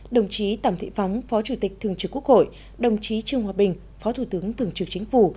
đồng chí tòng thị phóng phó chủ tịch thường trực quốc hội đồng chí trương hòa bình phó thủ tướng thường trực chính phủ